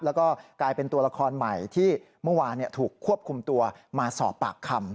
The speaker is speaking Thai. แล้วก็กลายเป็นตัวละครใหม่ที่เมื่อวานถูกควบคุมตัวมาสอบปากคำ